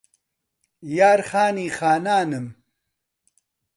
یار خانی خانانم